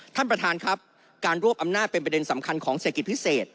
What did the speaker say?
ท่านประธานครับการรวบอำนาจเป็นประเด็นสำคัญของเศรษฐกิจพิเศษ